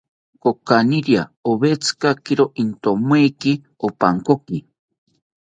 Kokaniria owetzikakiro intomaeki opankoki